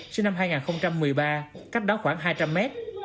sinh năm hai nghìn một mươi ba cách đó khoảng hai trăm linh mét